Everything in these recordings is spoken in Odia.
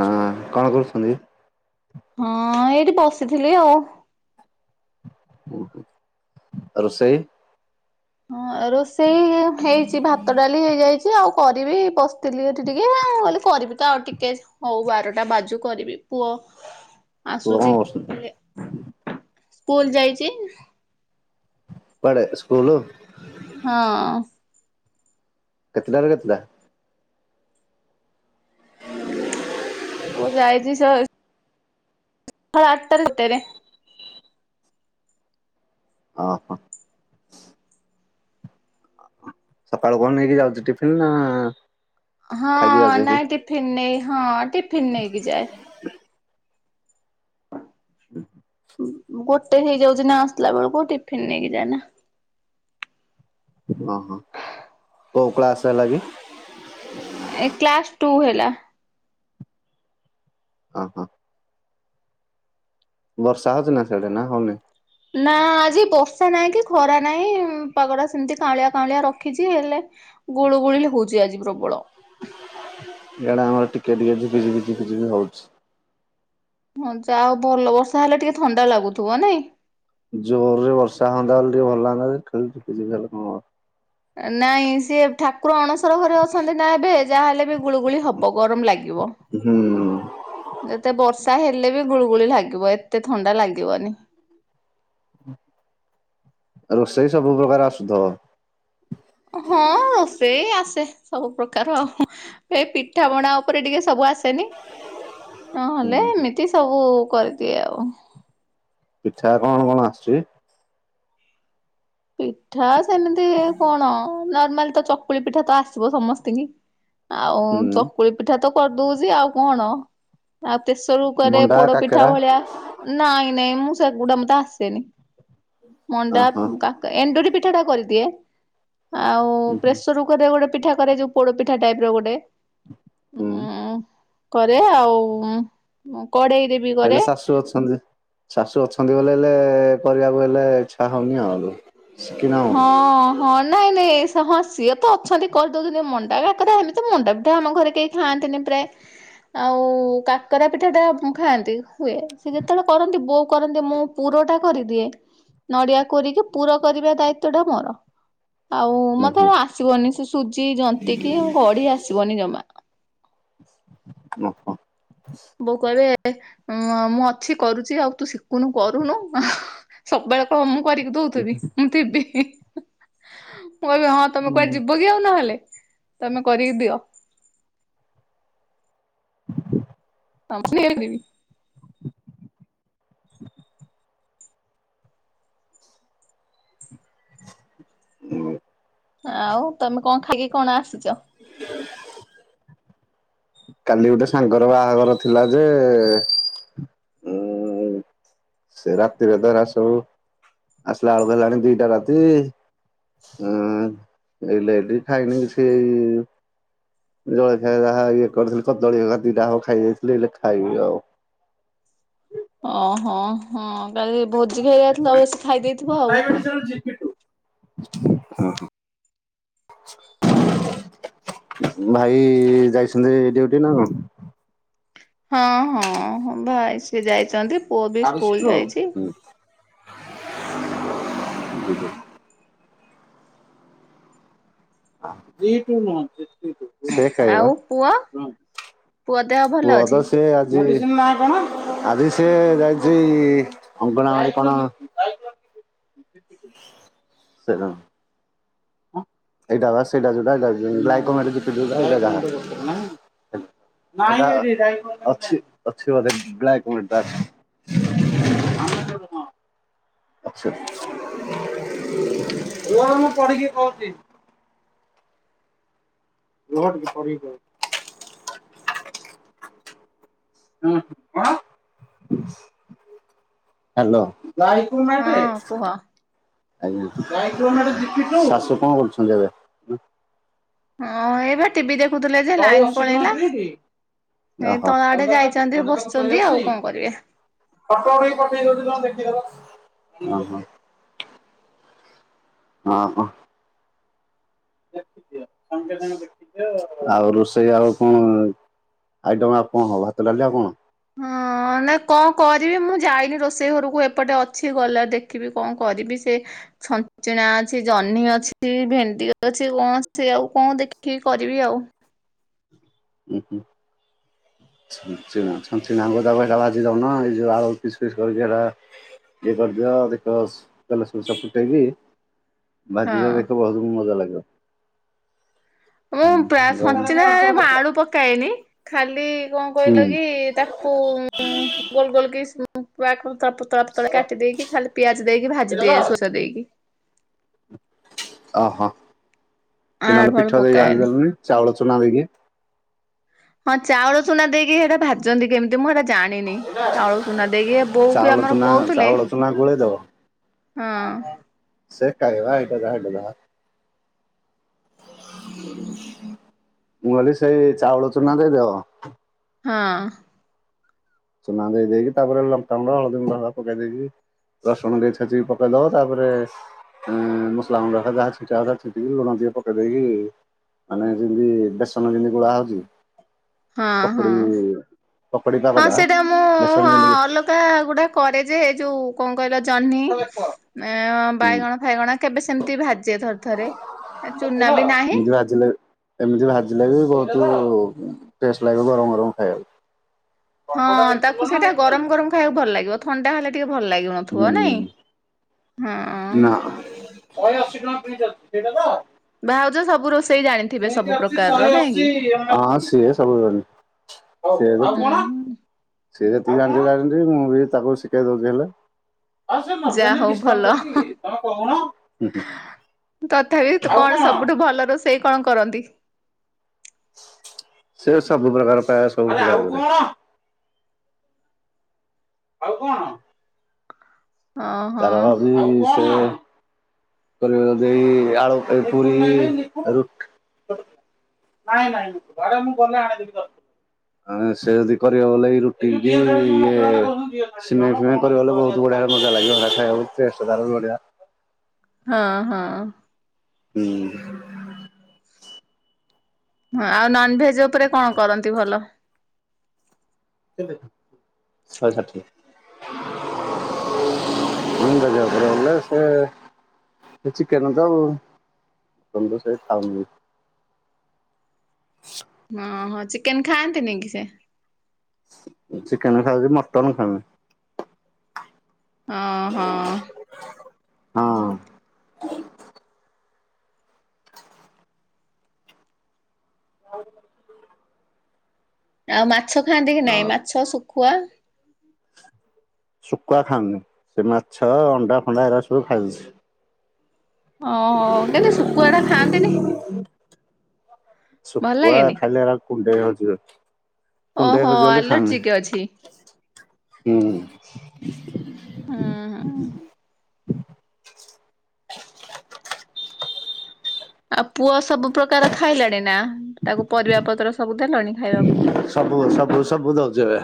ହଁ କଣ କରୁଛନ୍ତି? ହଁ ଏଇଠି ବସିଥିଲି ଆଉ ଆଉ ରୋଷେଇ? ହଁ ରୋଷେଇ ହେଇଛି ଭାତ ଡାଲି ହେଇଯାଇଛି ଆଉ। କରିବି ବସିଥିଲି ଏଠି ଟିକିଏ ଆଉ କହିଲି କରିବି ତ ଆଉ ଟିକେ ହଉ ବାରଟା ବାଜୁ କରିବି ପୁଅ ପୁଅ କଣ ଆସୁଛି କରୁଛନ୍ତି? ସ୍କୁଲ ଯାଇଛି। କୁଆଡେ ସ୍କୁଲୁ? ହଁ। କେତେଟାରେ କେତେଟା? ପୁଅ ଯାଏଛି ସ ହ ଆଠଟା ଭିତରେ। ଓ ହଁ। ସକାଳୁ କଣ ନେଇକି ଯାଉଛି ଟିଫିନ ନା ହଁ ଖାଇକି ଯାଉଛି ହେରି ନାଇଁ ଟିଫିିନ ନେଇ ହଁ ଟିଫିିନ ନେଇକି ଯାଏ। [unintelligible] ଗୋଟେ ହେଇଯାଉଛି ନା ଆସିଲା ବେଳକୁ ଟିଫିନ ନେଇକି ଯାଏନା। ଓ ହଁ କଉ କ୍ଳାସ ହେଲାକି? ଏ କ୍ଲାସ ଟୁ ହେଲା। ଓ ହୋ। ବର୍ଷା ହଉଛି ନା ସେଆଡେ ନା ହଉନି? ନା ଆଜି ବର୍ଷା ନାହିଁ କି ଖରା ନାହିଁ ପାଗ ଟା ସେମିତି କାଉଁଳିଆ କାଉଁଳିଆ ରଖିଛି ହେଲେ ଗୋଳୁ ଗୋଳି ହଉଛି ଆଜି ପ୍ରବଳ। ଏଇଡାମର ଟିକେ ଟିକେ ଝି ଝି ଝିପିଝି ହଉଛି। ହା ଆଉ ଭଲ ବର୍ଷା ହେଲେ ଟିକେ ଥଣ୍ଡା ଲାଗୁଥିବ ନାଇଁ? ଜୋରରେ ବର୍ଷା ହନ୍ତା ବୋଲିଲେ ଟିକେ ଭଲ ଲନ୍ତା ଖେିବ ଖଲେ କଣ ନାଇଁ ସିଏ ଠାକୁର ଅଣସର ଘରେ ଅଛନ୍ତି ନା ଏବେ? ଯାହାହଲେ ବି ଗୁଳୁଗୁଳି ହବ ଗରମ ଲାଗିବ। ହୁଁ। ଯେତେ ବର୍ଷା ହେଲେ ବି ଗୁଳୁଗୁଳି ଲାଗିବ ଏତେ ଥଣ୍ଡା ଲାଗିବନି। ଆଉ ରୋଷେଇ ସବୁ ପ୍ରକାର ଆସୁଥିବ? ହଁ ରୋଷେଇ ଆସେ ସବୁ ପ୍ରକାର ଆଉ। ଏ ପିଠା ପଣା ଉପରେ ଟିକେ ସବୁ ଆସ ଆସେ ନି ନହେଲେ ହୁଁ ଏମିତି ସବୁ କରିଦିଏ ଆଉ। ପିଠା କଣ କଣ ଆସୁଛି? ପିଠା ସେମିତି କଣ ନର୍ମାଲି ତ ଚକୁଳି ପିଠା ତ ଆସିବ ସମସ୍ତିଙ୍କୀ। ଆଉ ହୁଁ ଚକୁଳି ପିଠା ତ କରିଦଉଛି ଆଉ କଣ। ଆଉ ପେସରକୁକରେ ମଣ୍ଡା ପୋଡପିଠା କାକେରା ଭଳିଆ ନାଇଁ ନାଇଁ ମୁଁ ସେଗୁଡା ମତେ ଆସେନି ମଣ୍ଡା ଓହୋ କା ଏଣ୍ଡୁରି ପିଠା ଟା କରିଦିଏ ଆଉ ହୁଁ ପ୍ରେସର ଗୋଟେ ପିଠା କରାଯରେୋ ପୋଡ ପିଠା ଟାଇପ ର ଗୋଟେ ହୁଁ। ଉ କରେ ଆଉ କଡେଇରେ ବି କରେ। ହେଲେ ଶାଶୁ ଅଛନ୍ତି ଶାଶୁ ଅଛନ୍ତି ବ ହେଲେ କରିବାକୁ ହେଲେ ଇଚ୍ଛା ହଉନି ଆଉ। ଶିଖିନ ଆଉ। ହଁ। ହଁ ନାଇଁ ନାଇଁ ହଁ ସିଏ ତ ଅଛନ୍ତି କରିଦଉଦିନି ମଣ୍ଡା କାକେରା ଆମି ତ ମଣ୍ଡା ବିିଧା ଆମ ଘରେ କେହି ଖାଆନ୍ତିନି ପ୍ରାୟ ଆଉ କାକରା ପିଠା ଟା ଖାଆନ୍ତି। ହୁଏ ସେ ଯେତେବେଳେ କରନ୍ତି ବୋଉ କରନ୍ତି ମୁଁ ପୁର ଟା କରିଦିଏ ନଡିଆ କୋରିକି ପୁର କରିବା ଦାୟିତ ତ ଟା ମୋର। ଆଉ ହୁଁ ମତେ ହୁଁ ହେରା ଆସିବନି ସେ ସୁଜି ଯନ୍ତି କିି ଗଢି ଆସିବନି ଜମା। ଓ ହୋ। ବୋଉ କଇବେ ମୁଁ ଅଛି କରୁଛି ଆଉ ତୁ ଶିଖୁନୁ କରୁନୁ। ସବୁବେଳେ କ ମୁଁ କରିକି ଦଉଥିବି, ମୁଁ ଥିବି ମୁଁ କହିବି ହଁ। ତମେ କୁଆ ଯିବ କି ଆଉ ନହେଲେ ତମେ କରିକି ଦିଅ। [unintelligible] ଉଁ। ଆଉ ତମେ କଁ ଖାଇକି କଣ ଆସିଚ? କାଲି ଗୋଟେ ସାଙ୍ଗର ବାହାଘର ଥିଲା ଯେ ଉଁ ସେ ରାତିରେ ତ ଏରାସୁ ଆସିଲାଳୁକୁ ହେଲାଣି ଦିଟା ରାତି। ଉଁ ଏଇ ଲାଇଡି ଖାଇନି ସେଇ ଜଳିଖିଆ ଯାହା ଇଏ କରିଥିଲି କଦଳୀ ଦିଟା ହଉ ଖାଇ ଯାଇଥିଲି ହେଲେ ଖାଇବି ଆଉ। ଓହୋ ହଁ କାଲି ଭୋଜି ଖାଇ ଯାଇଥିଲ ବେଶୀ ଖାଇଦେଇଥିବ ଆଉ। ହଁ ହ। ଭାଇ ଯାଇଛନ୍ତି ଡ୍ୟୁଟି ନା କଁ? ହଁ ହଁ ଭାଇ ସି ଯାଇଛନ୍ତି ପୁଅ ବି ସ୍କୁଲ ଆରିଷ୍ଟୋ। ଯାଇଛି। [unintelligible] ହଁ। ସେ ଖାଇବା ଆଉ ପୁଅ ଦେହ ଭଲ ପୁଅ ଅଛି? ତ ସେ ଆଜି ସିଏ ଯାଇଛି ଅଙ୍ଗଣା ବାଡି କଣ [unintelligible] ଏଇଟା ବା ସେଇଟା ଯୋଉଟା [unintelligible] ଅଛି, ଅଛି ବୋଧେ [unintelligible] [unintelligible] ରୁହ ଟିକେ ପଢିକି କହୁଚି। ହୁଁ ହୁଁ, କଣ? ହାଲୋ। ହଁ ଆଜ୍ଞା, କୁହ। ଶାଶୁ କଣ କରୁଛନ୍ତି ଏବେ? ହଁ ଏଇ ପା ଟିଭି ଦେଖୁଥିଲେ ଯେ ଶହେ ଲାଇନ ଅଶୀ ଟଙ୍କା ପଳେଇଲା। ପ୍ଲେଟ ଏଇ ଓହୋ। ତ ଆଡେ ପନ୍ଦରଟାକୁ ଯାଇଛନ୍ତି ବସିଛନ୍ତି ଆଉ କଣ କରିବେ। ଫଟ ଉଠେଇକି ପଠେଇ ଦଉଛି ର ଦେଖିଦବ, ଓହୋ। ହଁ ହ। ଆଉ ରୋଷେଇ ଆଉ କଣ ଆଇଟମ୍ ଆଉ କଣ ହବ ଭାତ ଡାଲି ଆଉ କଣ? ହଁ ନାଇ କଣ କରିବି ମୁଁ ଯାଇନି ରୋଷେଇ ଘରକୁ ଏପଟେ ଅଛି ଗଲା ଦେଖ ଖିବି କଣ କରିବି ସେ ଛଞ୍ଚଣା ଅଛି ଜହ୍ନି ଅଛି, ଭେଣ୍ଡି ଅଛି, କଣ ସେ ଆଉ କଣ ଦେଖିକି କରିବି ଆଉ। ଉଁ ହୁଁ। ଛଞ୍ଚିଣା [unintelligible] ବାଜିି ଦଉନ ଏ ଯୋଉ ଆଳୁ ପିସ୍ ପିସ୍ କରିକି ହେରା। ଇଏ କରଦିଅ ଦେଖିବ ତେଲ ସୁସ ଫୁଟେଇକି। ଭାଜି ହଁ। ଦିଅ ଦେଖିଅ ବହୁତ ମଜା ଲାଗିବ। ମୁଁ ପା ହୁଁ ଗରମ ଛଞ୍ଚିଣା ରେ ୱାଟସପ୍ ମୁଁ ଦେଖ। ଆଳୁ ପକାଏନି ଖାଲି କଣ କହିଲ କି ହୁଁ। ତା କୁ ଗୋଲ ଗୋଲ କି [unintelligible] ପତଳା ପତଳା କାଟିଦେଇକି ଖାଲି ପିଆଜ ଦେଇକି ଏଇଟା ଭାଜିଦିଏ ସୋରିଷ ଦେଇକି। ଅହୋ କି ଆଳୁ ନହେଲେ ଫାଳୁ ପିଠଉ ଦେଇକି ପକାଏନି ଭାଜିଦେଲଣିି ଚାଉଳ ଚୁନା ଦେଇକି। ହଁ ଚାଉଳ ସୁନା ଦେଇକି ସେଇଟା ଭା ଭାଜନ୍ତି କେମିତି ମୁଁ ଏଇଟା ଜାଣିନି ଚାଉଳ ଚୁନା ଦେଇକି ଏ ବୋଉ ବି ଚାଉଳ ଆମର ଚୁନା କହୁଥିଲେ। ଚାଉଳ ଚୁନା ଗୋଳେଇ ଦବ ହଁ। ସେ କାଇ [inaudible] ମୁଁ କହିଲି ସେଇ ଚାଉଳ ଚୁନା ଦେଇଦବ। ହଁ। ଚୁନା ଦେଇଦେଇକି ତାପରେ ଲଙ୍କାଗୁଣ୍ଡ ହଳଦୀଗୁଣ୍ଡ ପକେଇ ଦେଇକି ରସୁଣ ଟିକେ ଛେଚିକି ପକେଇ ଦବ ତାପରେ ଉଁ ମସଲା ଗୁଣ୍ଡ ଯାହା ଛିଞ୍ଚିଆ କଥା ଛିଞ୍ଚିକି ଲୁଣ ଟିକେ ପକେଇଦେଇକି। ମାନେ ଯେମିତି ବେସନ ଯେମିତି ଗୋଳା ହଉଛି। ହଁ ହଁ। ହଁ ସେଇଟା ମୁଁ ହଁ [unintelligible] ଗୁଡା କରେଯେ ଯୋଉ କଣ କହିଲ ଜହ୍ନି ହୁଁ ବାଇଗଣ ଫାଇଗଣ କେବେ ସେମତି ଭାଜେ ଥରେ ଥରେ ଚୁନା ବି ନାହିଁ ନିଜେ ଭାଜିଲେ ଏମିତି ଭାଜିଲେ ବି ବହୁତ ଟେଷ୍ଟ ଲାଗିବ ଗରମ ଗରମ ଖାଇବାକୁ। ହଁ ଫଟୋଟା ଦେଖିଲ ତାକୁ ନା ସେଇଟା ଦେଖିଲନି? ଗରମ ଗରମ ଖାଇବାକୁ ଭଲ ଲାଗିବ ଥଣ୍ଡା ହେଲେ ଟିକେ ଭଲ ଲାଗୁନଥିବ ନାଇଁ ହଁ। ନାଁ। ଭାଉଜ ସବୁ ରୋଷେଇ ଜାଣିଥିବେ ସବୁ ପ୍ରକାରର ହଁ ନାଇଁ କି? ସିଏ ସବୁ ସେ ହୁଁ ହୁଁ ସିଏ ଯେତିକି ଜାଣିଛନ୍ତି ଜାଣିଛି ମୁଁ ବି ତାକୁ ଶିଖେଇ ଦଉଛି ହେଲେ। ଆଉ ସେ ଯା ନବେନାଇ ହଉ ଡିସକାଉଣ୍ଟ ଭଲ କରିକି ତମେ କହୁନ? ତଥାପି କଣ ସବୁଠୁ ଭଲ ରୋଷେଇ କଣ କରନ୍ତି? ସେ ସବୁ ପ୍ରକାର ପାଏ ସବୁ ଆଉ କଣ? ଓହୋ ତାର ବି ସେ କରିବେ ଯଦି ଆଳୁ ପୁରି ରୁ ନାଇଁ ନାଇଁ ଘରେ ମୁଁ ଗଲେ ଆଣିଦେବି ଦର ଆଉ ସେ ଯଦି କରିବାକୁ ବଲେ ରୁଟି କି ଇଏ ସିମେଇ ଫିମେଇ। କରିବାଲେ ବହୁତ ବଢିଆ ମଜା ଲାଗିବ ଖାଇବାକୁ ବି ଟେଷ୍ଟ ତାର ବି ବଢିଆ। ହଁ ହଁ। ହୁଁ। ହଁ ଆଉ ନନଭେଜ ଉପରେ କଣ କରନ୍ତି ଭଲ? ଶହେ ଷାଠିଏ। [unintelligible] ସେ ଚିକେନ ତ ଆଉ ହଁ ହଁ ଚିକେନ ଖାଆନ୍ତିନି କି ସେ? ଚିକେନ ଖାଉଛି ମଟନ ଖାଉନି। ହଁ ହଁ। ହଁ। ହଉ। ଆଉ ମାଛ ଖାଆନ୍ତି କି ହଁ ନାଇଁ ମାଛ ଶୁଖୁଆ? ଶୁଖୁଆ ଖାଉନି। ସେ ମାଛ ଅଣ୍ଡା ଫଣ୍ଡା ଏରା ସବୁ ଖାଉଚି। ଓହ କେନ୍ତି ଶୁଖୁଆ ଟା ଖାଆନ୍ତିନି? ଭଲ ଶୁଖୁଆ ଲାଗେନି ଖାଇଲେ ଏଗୁରା କୁଣ୍ଡେଇ ହଉଚି ବା। କୁଣ୍ଡେଇ ଓହୋ ହଉଚି ବୋଲି ଖାଉନି ଆଲର୍ଜିିକ ଅଛି। ହୁଁ। ଉଁ ହୁଁ। ଆଉ ପୁଅ ସବୁ ପ୍ରକାର ଖାଇଲାଣି ନା? ତାକୁ ପରିବା ପତ୍ର ସବୁ ଦେଲଣି ଖାଇବାକୁ? ସବୁ ସବୁ ସବୁ ଦଉଚୁ ଏବେ।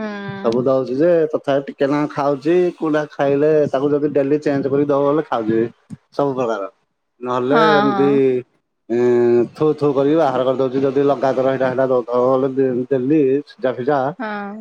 ହୁଁ ସବୁ ଦଉଚୁ ଯେ ତଥାପି ଟିକେ ନାଁକୁ ଖାଉଚି। କୋଉଟା ଖାଇଲେ ତାକୁ ଯଦି ଡେଲି ଚେଞ୍ଜ କରି ଦବ ବଲେ ଖାଉଚି। ସବୁ ପ୍ରକାର ନହେଲେ ହଁ ହଁ ଏମିତି ଏ ଥୁ ଥୁ କରିକି ବାହାର କରିଦଉଚି ଯଦି ଲଗା ଦର ହେଇଟା ହେଲା ଡେଲି ସିଝା ଫିଝା। ହଁ।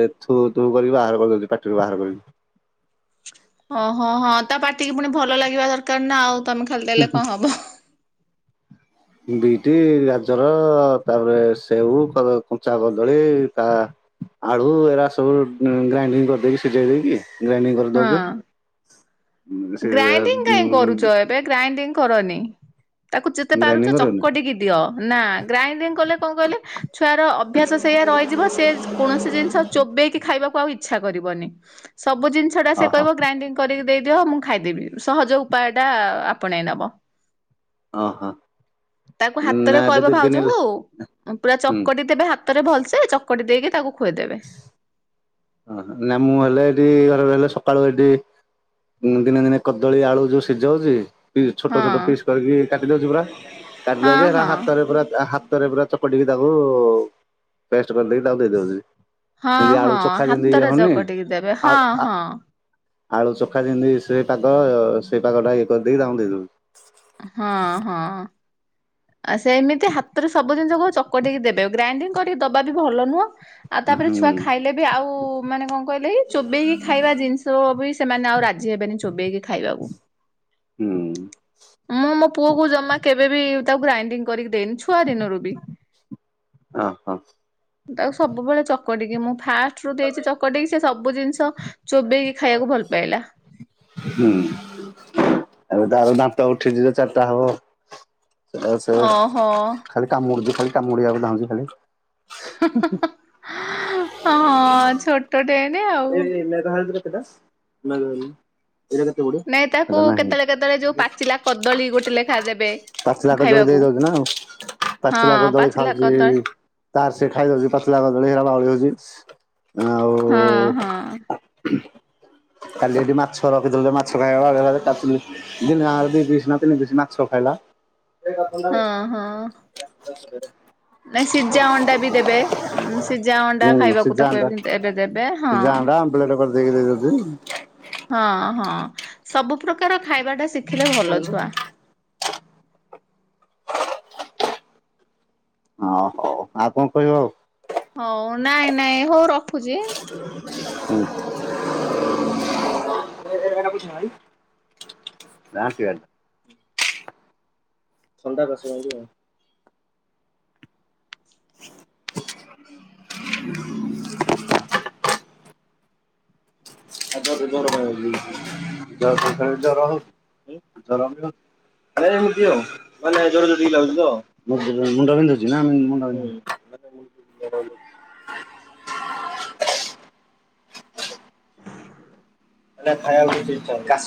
ଏ ଥୁ ଥୁ କରିକି ବାହାର କରିଦଉଚି ପାଟିରୁ ବାହାର କରିକି। ଓହୋ ହଁ ହଁ ହଁ ତା ପାଟିକି ପୁଣି ଭଲ ଲାଗିବା ଦରକାର ନା ଆଉ। ତମେ ଖାଲି ଦେଲେ କଣ ହବ? ହଁ ବିଟି ଗାଜର ତାପରେ ସେଉ କ କଞ୍ଚା କଦଳୀ ତା ଆଳୁ ଏରା ସବୁ ଉଁ ଗ୍ରାଇଣ୍ଡିଙ୍ଗ କରିଦେଇକି ସିଝେଇ ଦେଇକି ଗ୍ରାଇଡିଙ୍ଗ କରିଦଉଚୁ। ଗ୍ରାଇଡିଙ୍ଗ କାହିଁ କରୁଚ? ଏବେ ଗ୍ରାଇଡିଙ୍ଗ କରନି। ତାକୁ ଯେତେ ପାରୁଚ ଗ୍ରାଇଣ୍ଡିଙ୍ଗ କରିବନି ଚକଟିକି ଦିଅ ନା ଗ୍ରାଇଡିଂ କଲେ କଣ କହିଲେ ଛୁଆର ଅଭ୍ୟାସ ସେଇୟଆ ରହିଯିବ। ସେ କୌଣସି ଜିନିଷ ଚୋବେଇକି ଖାଇବାକୁ ଆଉ ଇଚ୍ଛା କରିବନି। ସବୁ ଜିନିଷ ଶ ଟା ସେ ଓହୋ କହିବ ଗ୍ରାଇଡିଙ୍ଗ କରିକି ଦେଇଦିଅ, ମୁଁ ଖାଇଦେବି ସହଜ ଉପାୟ ଟା ଆପଣେଇ ନବ। ଓହୋ। ତାକୁ ହାତରେ ନା ଏବେ କହିବ ଦି ଦିନ ହେଲା ଭାଉଜଙ୍କୁ ଉ ପୁରା ହୁଁ ଚକଟି ଦେବେ ହାତ ତ ରେ ଭଲସେ ଚକଟି ଦେଇକି ତାକୁ ଖୁଆଇଦେବେ। ଅ ହ ନାଇ ମୁଁ ହେଲେ ଏଠି ଘରେ ରହଲେ ସକାଳୁ ଏଠି ଦିନେ ଦିନେ କଦଳୀ ଆଳୁ ଯୋଉ ସିଝଉଚି ପିସ୍ ଛୋଟ ହଁ ଛୋଟ ପିସ୍ କରିକି କାଟିଦଉଚି ପୁରା। ହଁ କାଟିଦଉଚି ଏରା ହଁ ହାତରେ ପୁରା ହାତରେ ପୁରା ଚପଟିକି ତାଙ୍କୁ ଫେଷ୍ଟ କରିଦେଇକି ତାକୁ ଦେଇଦଉଚି। ହଁ ଏମତି ଆଳୁ ହଁ ଚୋଖା ଯେମିତି ହାତରେ ହଉନି ଚକଟିକି ଦେବେ ଆ- ହଁ ଆଳୁ ହଁ ଆଳୁ ଚଖା ଯେମିତି ସେ ପାଗ ସେଇ ପାଗ ଟା ଇଏ କରିଦେଇକି ତାଙ୍କୁ ଦେଇ ଦଉଚି। ହଁ ହଁ। ଆ ସେମିତି ହାତରେ ସବୁ ଜିନିଷକୁ ଚକଟିକି ଦେବେ। ଆଉ ଗ୍ରାଇଣ୍ଡିଙ୍ଗ କରିକି ଦବା ବି ଭଲ ନୁହଁ। ଆଉ ତାପରେ ଛୁଆ ହୁଁ ଖାଇଲେ ବି ଆଉ ମାନେ କଣ କହିଲେ ଚୋବେଇକି ଖାଇବା ଜିନିଷ ବି ସେମାନେ ଆଉ ରାଜି ହେବେନି ଚୋବେଇକି ଖାଇବାକୁ। ହୁଁ। ମୁଁ ମୋ ପୁଅ କୁ ଜମା କେବେବି ତାକୁ ଗ୍ରାଇଡିଙ୍ଗ କରିକି ଦେଇନି ଛୁଆ ଦିନରୁ ବି। ଅ ହ। ତାକୁ ସବୁବେଳେ ଚକଟିକି ମୁଁ ଫାଷ୍ଟ ରୁ ଦେଇଚି ଚକଟକି ସେ ସବୁ ଜିନିଷ ଚୋବେଇକି ଖାଇବାକୁ ଭଲ ପାଇଲା। ହୁଁ ଏବେ ତ ଆଉ ଦାନ୍ତ ଉଠି ଯିବ ଚାରିଟା ହବ। ଆଉ ସେ ଓହୋ। ଖାଲି କାମୁଡୁଚି ଖାଲି କାମୁଡିବାକୁ ଯାଉଚି ଖାଲି। ହ ହଁ ଛୋଟ ଟ ଟେ ଏଇନେ ଆଉ। ଏଇ ମେଘାଳ କେତେଟା ମଲ ଏଇଟା କେତେ ଗୁଡ ନାଇଁ ତାକୁ କେତେବେଳେ କେତେବେଳେ ଯୋଉ ପାଚିଲା କଦଳୀ ଗୋଟେ ଲେଖା ଦେବେ। ପାଚିଲା କଦଳୀ ଖାଇବାକୁ ଦେଇ ଦଉଛି ନା ଆଉ ହଁ ପାଚିଲା କଦଳୀ ପାଚିଲା ଖାଉଛି କଦଳୀ ତାର ସେ ଖାଇଦଉଛି ପାଚିଲା କଦଳୀ। [unintelligible] ହଁ ହଁ। କାଲି ଏଠି ମାଛ ରଖିଥିଲୁ ଯେ ମାଛ ଖାଇବାକୁ [unintelligible] ଦିନ ଆ ଦି ପିସ୍ ନା ତିି ପିସ୍ ମାଛ ଖାଇଲା। ହଁ ହଁ। [inaudible] ନାଇଁ ସିଝା ଅଣ୍ଡା ବି ଦେବେ, ସିଝା ଅଣ୍ଡା ହୁଁ ଖାଇବାକୁ ସିଝା ତାକୁ ଅଣ୍ଡା ଏବେ ଏବେ ଦେବେ ହଁ। ସିଝା ଅଣ୍ଡା ଆମ୍ବଲେଟ୍ କରିଛି ଦେଇକି ଦେଇ ଦଉଛି। ହଁ ହଁ ସବୁ ପ୍ରକାର ଖାଇବା ଟା ଶିଖିଲେ ଭଲ ଚାଲୁନୁ। ଛୁଆ। ହ ହଉ। ଆଉ କଣ କହିବ ଆଉ? ହଉ ନାଇଁ ନାଇଁ ହଉ ରଖୁଛି। ହୁଁ। [unintelligible] [unintelligible] [inaudible] [unintelligible] ଆରେ ଏମିତି ଆଉ। ମାନେ ଜର ଜର ଯୋଉ ଟିକେ ଲାଗୁଛି ତ? ମୁଣ୍ଡ ବିନ୍ଧୁଛି ନା ମୁଣ୍ଡ ବିଧ [unintelligible]